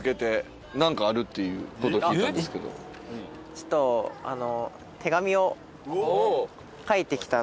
ちょっとあの。